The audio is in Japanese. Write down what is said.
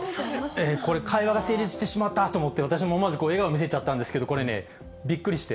これ、会話が成立してしまったと思って、私も思わず笑顔を見せちゃったんですけれども、これね、びっくりして。